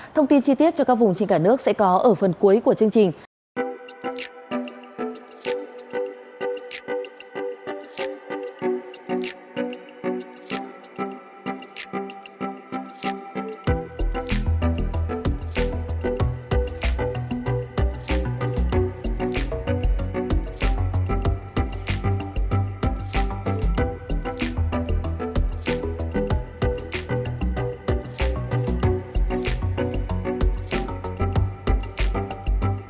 thông tin chi tiết cho các vùng trên cả nước sẽ có ở phần cuối của chương trình